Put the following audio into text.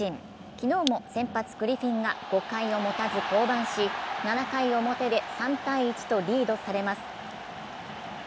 昨日も先発・グリフィンが５回も待たず降板し７回表で３−１とリードされます。